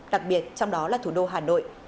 đặc biệt trong đó là thủ đô hà nội